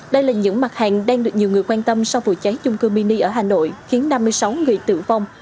đây là những mặt hàng đang được nhiều người quan tâm sau vụ cháy chung cư mini ở hà nội khiến năm mươi sáu người tử vong